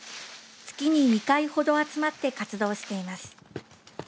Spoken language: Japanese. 月に２回ほど集まって活動しています。